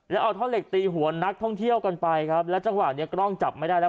แล้วเอาท่อเหล็กตีหัวนักท่องเที่ยวกันไปครับแล้วจังหวะเนี้ยกล้องจับไม่ได้แล้ว